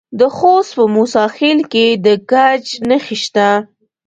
د خوست په موسی خیل کې د ګچ نښې شته.